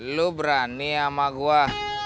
lu berani sama gue